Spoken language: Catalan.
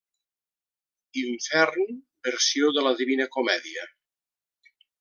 Infern versió de la Divina Comèdia.